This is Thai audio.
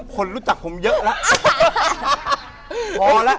คนรู้จักผมเยอะแล้ว